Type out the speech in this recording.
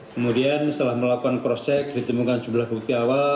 kemudian setelah melakukan cross check ditemukan jumlah bukti awal